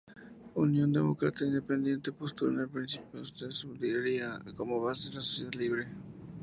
Unión Demócrata Independiente postula el principio de subsidiariedad como base de la sociedad libre.